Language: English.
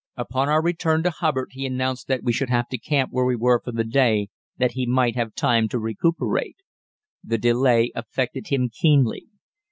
Upon our return to Hubbard he announced that we should have to camp where we were for the day, that he might have time to recuperate. The delay affected him keenly.